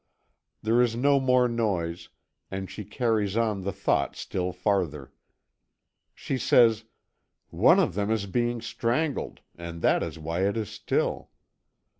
There is no more noise, and she carries on the thought still farther. She says, "One of them is being strangled, and that is why it is still."